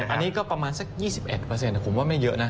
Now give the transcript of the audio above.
อันนี้ก็ประมาณสัก๒๑ผมว่าไม่เยอะนะ